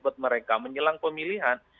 buat mereka menjelang pemilihan